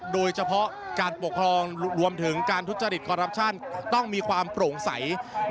โดยเฉพาะการปกครองรวมถึงการทุจริตคอรัปชั่นต้องมีความโปร่งใส